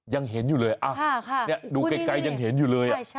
ยังเห็นอยู่เลยดูไกลยังเห็นอยู่เลย